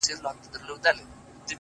ه ژوند نه و، را تېر سومه له هر خواهیسه ،